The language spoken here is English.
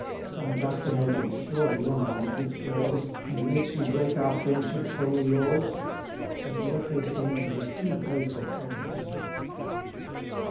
Some juster motive sure your mind withdraws, And makes you break our friendship's holy laws; For barefaced envy is too base a cause.